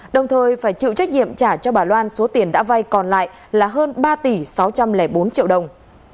đồng thời phải chịu trách nhiệm trả cho bà loan số tiền đã vay còn lại là hơn ba tỷ sáu trăm linh bốn triệu đồng